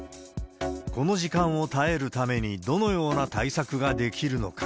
この時間を耐えるためにどのような対策ができるのか。